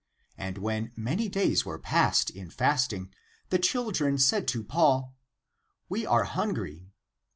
And when many days were past in fasting, the children said to Paul :" We are hungry."